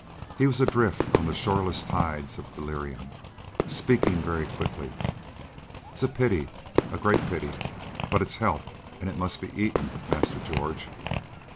He was adrift on the shoreless tides of delirium, speaking very quickly—"It's a pity,—a great pity; but it's helped, and it must be eaten, Master George.